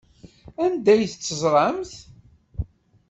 Anda ay tt-teẓramt?